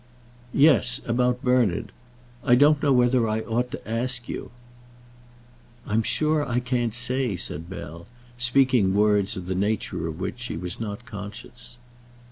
"Yes, about Bernard. I don't know whether I ought to ask you." "I'm sure I can't say," said Bell, speaking words of the nature of which she was not conscious.